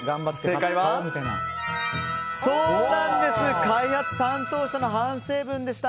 正解は２の開発担当者の反省文でした。